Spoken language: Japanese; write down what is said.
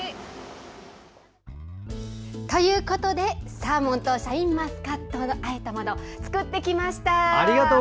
サーモンとシャインマスカットをあえたもの作ってきました。